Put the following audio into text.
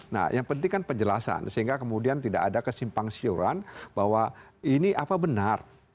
nah yang penting kan penjelasan sehingga kemudian tidak ada kesimpang siuran bahwa ini apa benar